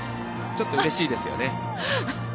ちょっと、うれしいですよね。